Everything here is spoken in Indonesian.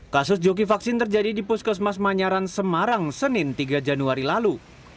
kasus joki vaksin terjadi di puskesmas manyaran semarang senin tiga januari lalu